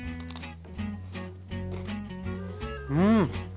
うん！